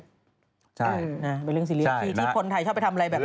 ที่ที่คนไทยชอบไปทำอะไรแบบนี้